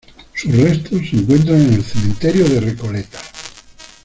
Sus restos se encuentran en el Cementerio de Recoleta.